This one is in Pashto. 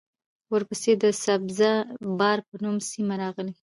ورپسې د سبزه بار په نوم سیمه راغلې